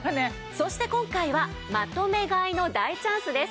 そして今回はまとめ買いの大チャンスです。